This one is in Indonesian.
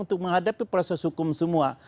untuk menghadapi proses hukum semua